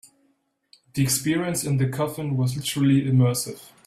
The experience in the coffin was literally immersive.